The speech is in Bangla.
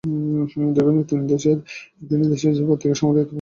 দীর্ঘদিন তিনি দেশ পত্রিকার সম্পাদনার দায়িত্ব সাফল্যের সঙ্গে পালন করেছেন।